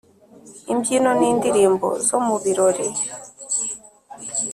imbyino n’indirimbo zo mu birori